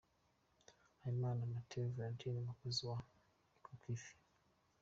Habimana Mathieu Valentin, umukozi wa Acokivi.